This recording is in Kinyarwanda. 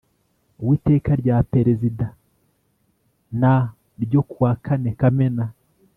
w Iteka rya Perezida n ryo ku wa kane kamena